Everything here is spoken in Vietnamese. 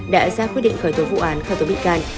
đã ra quyết định khởi tố vụ án khởi tố bị can